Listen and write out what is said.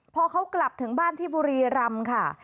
พอเขากลับถึงบ้านที่บุรีรำค่ะ